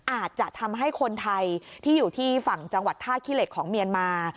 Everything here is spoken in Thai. อาจจะทำให้คนไทยที่อยู่ที่ฝั่งจังหวัดท่าขี้เหล็กของเมียนมา